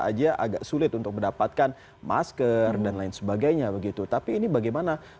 aja agak sulit untuk mendapatkan masker dan lain sebagainya begitu tapi ini bagaimana